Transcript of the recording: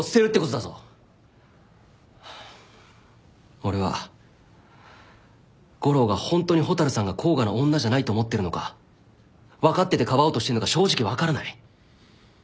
俺は悟郎がホントに蛍さんが甲賀の女じゃないと思ってるのか分かっててかばおうとしてるのか正直分からない。